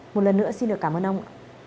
một lần nữa xin được cảm ơn ông